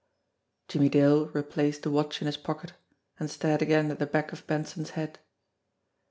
Jimmie Dale replaced the watch in his pocket and stared again at the back of Benson's head.